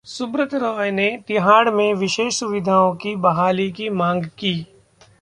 सुब्रत रॉय ने तिहाड़ में विशेष सुविधाओं की बहाली की मांग की